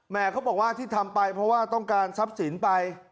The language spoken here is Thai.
เขาบอกว่าที่ทำไปเพราะว่าต้องการทรัพย์สินไป